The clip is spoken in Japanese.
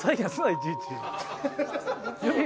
いちいち。